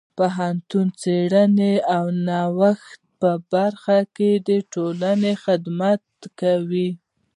پوهنتون د څیړنې او نوښت په برخه کې د ټولنې خدمت کوي.